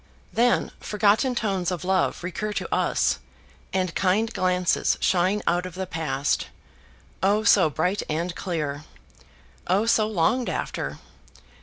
Then forgotten tones of love recur to us, and kind glances shine out of the past oh so bright and clear! oh so longed after!